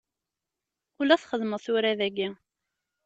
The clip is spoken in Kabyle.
Ula txedmeḍ tura dagi.